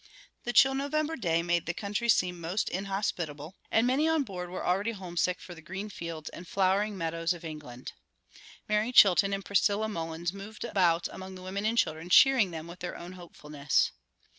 The chill November day made the country seem most inhospitable, and many on board were already homesick for the green fields and flowering meadows of England. Mary Chilton and Priscilla Mullins moved about among the women and children, cheering them with their own hopefulness.